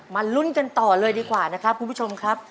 ลุ้นกันต่อเลยดีกว่านะครับคุณผู้ชมครับ